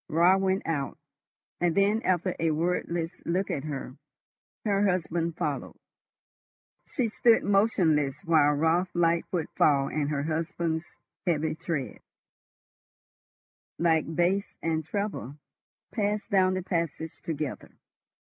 Raut went out, and then, after a wordless look at her, her husband followed. She stood motionless while Raut's light footfall and her husband's heavy tread, like bass and treble, passed down the passage together.